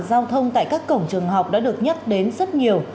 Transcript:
giao thông tại các cổng trường học đã được nhắc đến rất nhiều